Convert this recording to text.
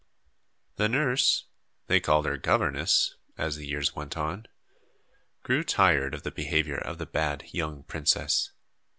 The nurse they called her "governess," as the years went on grew tired of the behavior of the bad young princess.